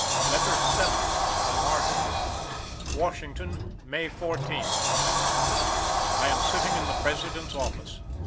LETTER VII. THE MARTYR. Washington, May 14. I am sitting in the President's office.